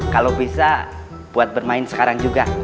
kalau bisa buat bermain sekarang juga